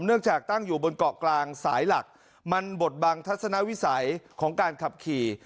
จากตั้งอยู่บนเกาะกลางสายหลักมันบทบังทัศนวิสัยของการขับขี่